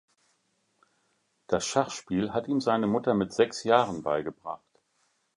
Das Schachspiel hat ihm seine Mutter mit sechs Jahren beigebracht.